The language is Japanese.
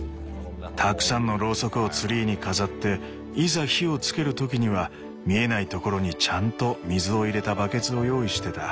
たくさんのロウソクをツリーに飾っていざ火をつける時には見えないところにちゃんと水を入れたバケツを用意してた。